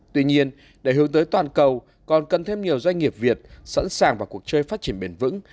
tuy nhiên để hướng tới toàn cầu còn cần thêm nhiều doanh nghiệp việt sẵn sàng vào cuộc chơi phát triển bền vững